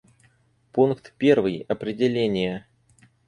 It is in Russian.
Пункт первый: определения.